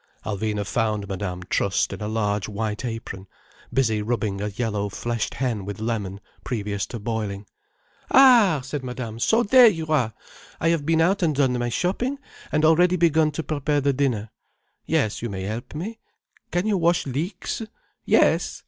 Alvina found Madame trussed in a large white apron, busy rubbing a yellow fleshed hen with lemon, previous to boiling. "Ah!" said Madame. "So there you are! I have been out and done my shopping, and already begun to prepare the dinner. Yes, you may help me. Can you wash leeks? Yes?